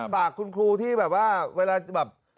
ฝากคุณครูที่แบบว่าเวลาจะแบบ